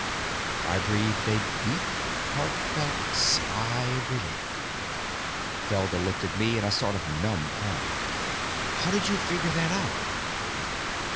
I breathed a deep, heartfelt sigh of relief. Felder looked at me in a sort of numb awe. "How did you figure that out?"